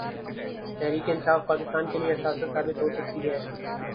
تحریک انصاف پاکستان کے لیے اثاثہ ثابت ہو سکتی ہے۔